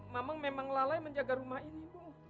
mamang memang lalai menjaga rumah ini bu